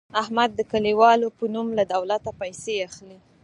احمد د کلیوالو په نوم له دولته پیسې اخلي.